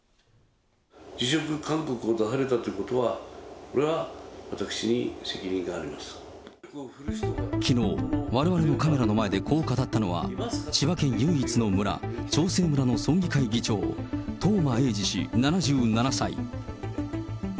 辞職勧告を出されたということは、きのう、われわれのカメラの前でこう語ったのは、千葉県唯一の村、長生村の村議会議長、東間永次氏７７歳。